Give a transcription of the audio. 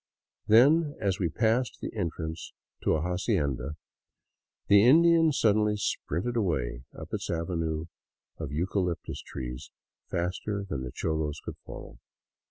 Then, as we passed the entrance to an hacienda, the Indian suddenly sprinted away up its avenue of euca lyptus trees faster than the cholos could follow.